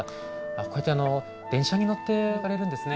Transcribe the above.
こうやってあの電車に乗って行かれるんですね。